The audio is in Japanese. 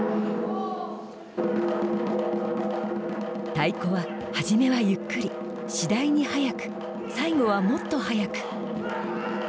太鼓は初めはゆっくり次第に速く最後はもっと速く。